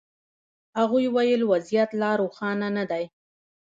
هغوی ویل وضعیت لا روښانه نه دی.